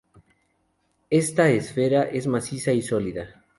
Esta esfera es maciza y sólida.